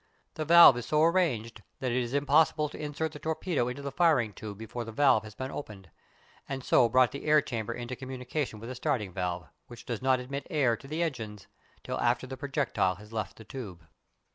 The valve is so arranged that it is impossible to insert the torpedo into the firing tube before the valve has been opened, and so brought the air chamber into communication with the starting valve, which does not admit air to the engines till after the projectile has left the tube.